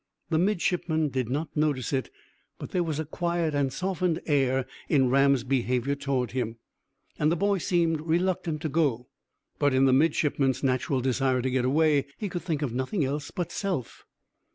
The midshipman did not notice it, but there was a quiet and softened air in Ram's behaviour toward him, and the boy seemed reluctant to go, but, in the midshipman's natural desire to get away, he could think of nothing else but self.